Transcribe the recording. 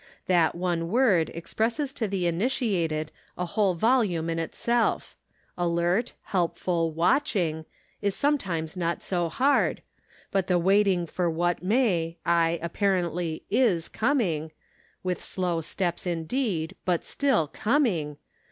That one word expresses to the initiated a whole vol ume in itself; alert, helpful watching, is sometimes not so hard ; but the waiting for what may, aye, apparently is coming — with slow steps, indeed, but still coming!